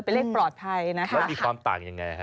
เป็นเลขปลอดภัยนะคะแล้วมีความต่างยังไงฮะ